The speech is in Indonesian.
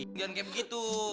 jangan kaya begitu